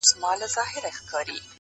• پلار ویل زویه ته دا و وایه بل چا ته,